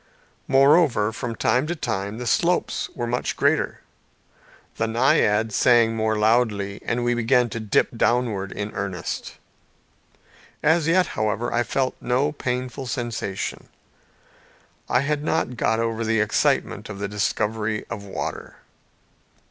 Moreover, from time to time the slopes were much greater, the naiad sang more loudly, and we began to dip downwards in earnest. As yet, however, I felt no painful sensation. I had not got over the excitement of the discovery of water.